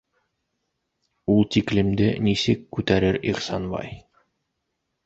Ул тиклемде нисек күтәрер Ихсанбай?!